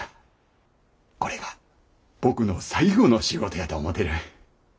これが僕の最後の仕事やと思てる。